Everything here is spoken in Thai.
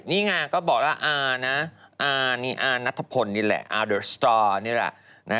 นี่น่ะต้องค่อยบอกว่าน่ัทผลนี่แหละ